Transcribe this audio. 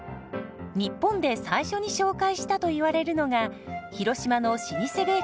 日本で最初に紹介したといわれるのが広島の老舗ベーカリー。